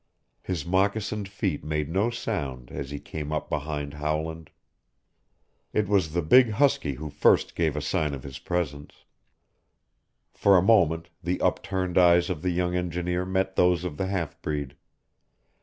His moccasined feet made no sound as he came up behind Howland. It was the big huskie who first gave a sign of his presence. For a moment the upturned eyes of the young engineer met those of the half breed.